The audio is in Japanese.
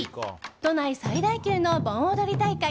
都内最大級の盆踊り大会